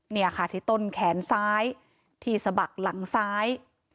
เนี่ยค่ะที่ต้นแขนซ้ายที่สะบักหลังซ้าย